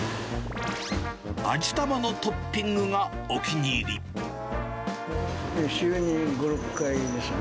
味玉のトッピングがお気に入週に５、６回ですね。